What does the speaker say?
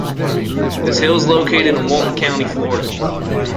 This hill is located in Walton County, Florida.